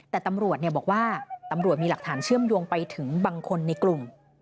แต่ตำรวจบอกว่าตำรวจมีหลักฐานเชื่อมโยงไปถึงบางคนในกลุ่ม